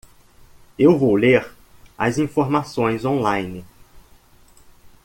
Eu vou ler as informações online.